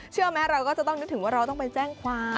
ไหมเราก็จะต้องนึกถึงว่าเราต้องไปแจ้งความ